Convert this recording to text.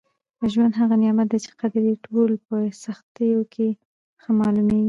ژوند هغه نعمت دی چي قدر یې یوازې په سختیو کي ښه معلومېږي.